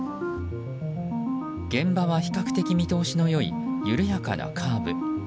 現場は比較的見通しの良い緩やかなカーブ。